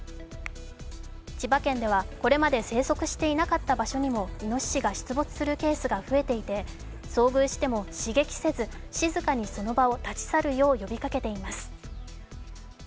千葉県では、これまで生息していなかった場所にもイノシシが出没するケースが増えていて遭遇しても刺激せず静かにその場を立ち去るよう呼びかけています。